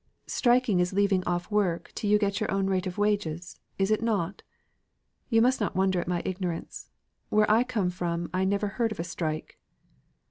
"Striking is leaving off work till you get your own rate of wages, is it not? You must not wonder at my ignorance; where I come from I never heard of a strike."